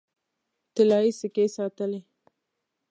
طلايي سکې ساتلې.